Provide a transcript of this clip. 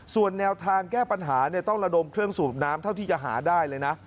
ส่วนแนวทางแก้ปัญหาต้องระดมเครื่องสูบน้ำเท่าที่จะหาได้เลยนะ